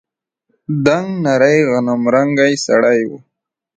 دنګ نرى غنمرنگى سړى و.